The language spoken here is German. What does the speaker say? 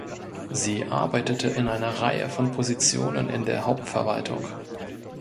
Sie arbeitete in einer Reihe von Positionen in der Hauptverwaltung.